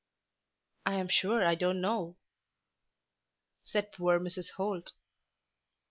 "I am sure I don't know," said poor Mrs. Holt.